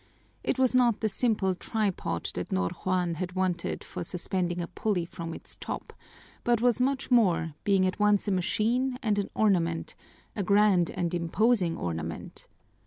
It was not the simple tripod that Ñor Juan had wanted for suspending a pulley from its top, but was much more, being at once a machine and an ornament, a grand and imposing ornament.